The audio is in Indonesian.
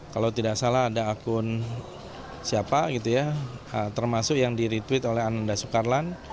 kalau tidak salah ada akun siapa gitu ya termasuk yang di retweet oleh ananda sukarlan